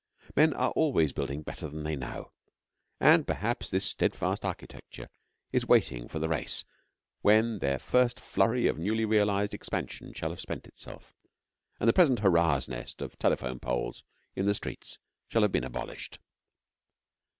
Men are always building better than they know, and perhaps this steadfast architecture is waiting for the race when their first flurry of newly realised expansion shall have spent itself, and the present hurrah's nest of telephone poles in the streets shall have been abolished.